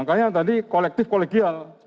makanya tadi kolektif kolegial